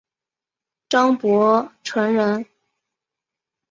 张伯淳人。